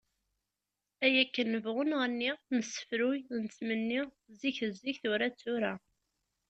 Ay akken nebɣu nɣenni, nessefruy nettmenni, zik d zik, tura d tura.